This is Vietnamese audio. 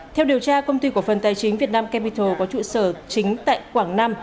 theo điều tra công ty cổ phần tài chính việt nam capital có trụ sở chính tại quảng nam